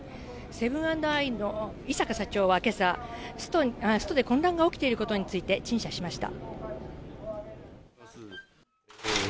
セブン＆アイの井阪社長は今朝、ストで混乱が起きていることについて陳謝しました。